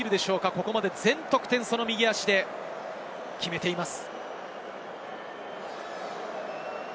ここまで全得点をその右足で決めています。